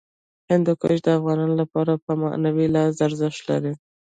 هندوکش د افغانانو لپاره په معنوي لحاظ ارزښت لري.